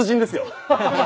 ハハハ！